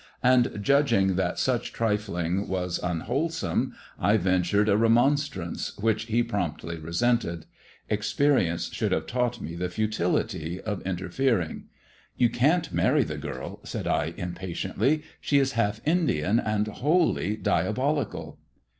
And, judging that such trifling was unwholesome, I ventured a remonstrance, which he promptly resented. Experience should have taught me the futility of interfering. " You can't marry the girl," said I impatiently ;" she is half Indian, and wholly diabolical."